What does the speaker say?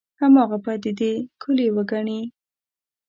هماغه پدیدې کُل یې وګڼي.